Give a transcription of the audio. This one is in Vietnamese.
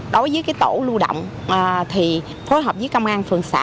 đối với tổ lưu động thì phối hợp với công an phường xã